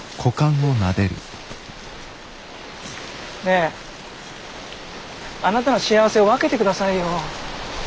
ねえあなたの幸せを分けてくださいよ。